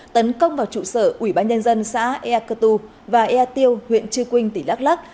tấn công vào trụ sở ủy ban nhân dân xã ea cơ tu và ea tiêu huyện trư quynh tỉnh đắk lắc